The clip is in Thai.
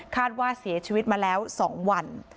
ว่าเสียชีวิตมาแล้ว๒วัน